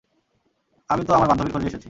আমি তো আমার বান্ধবীর খোঁজেই এসেছি।